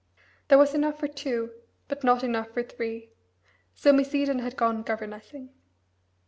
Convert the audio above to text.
There was enough for two but not enough for three. So Miss Eden had gone governessing.